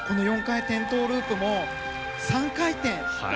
４回転トウループも３回転。